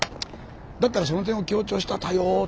だったらその点を強調した対応をとりましょう。